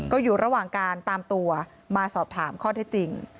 ก็อยู่ระหว่างการตามตัวมาสอบถามข้อเท็จจริง